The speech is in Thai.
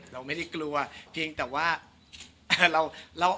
เราไม่ได้กลัวเพียงแต่ว่าเรา